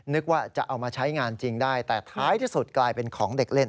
นึกว่าจะเอามาใช้งานจริงได้แต่ท้ายที่สุดกลายเป็นของเด็กเล่น